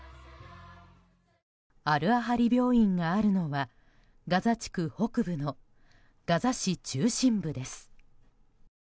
アル・アハリ病院があるのはガザ地区北部のガザ市中心部です。